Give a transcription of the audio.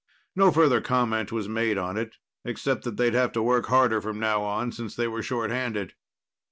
No further comment was made on it, except that they'd have to work harder from now on, since they were shorthanded.